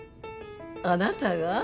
あなたが？